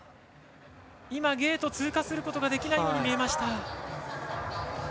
ゲートを通過することができなかったように見えました。